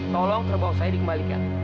tolong kerbau saya dikembalikan